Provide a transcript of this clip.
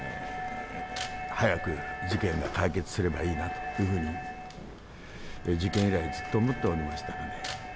早く事件が解決すればいいなというふうに、事件以来、ずっと思っておりましたので。